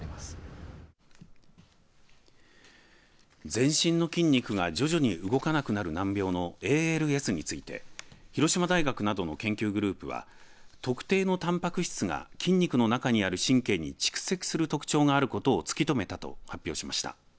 全身の筋肉が徐々に動かなくなる難病のＡＬＳについて広島大学などの研究グループは特定のたんぱく質が筋肉の中にある神経に特徴があることを突き止めたと発表しました。